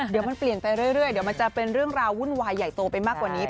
เดี๋ยวมันเปลี่ยนไปเรื่อยเดี๋ยวมันจะเป็นเรื่องราววุ่นวายใหญ่โตไปมากกว่านี้